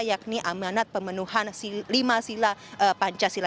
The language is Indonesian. yakni amanat pemenuhan lima sila pancasila